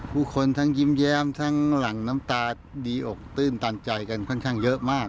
ผู้คนทั้งยิ้มแย้มทั้งหลั่งน้ำตาดีอกตื้นตันใจกันค่อนข้างเยอะมาก